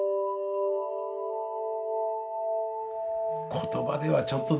言葉ではちょっとですね